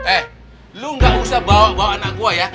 eh lu ga usah bawa bawa anak gua ya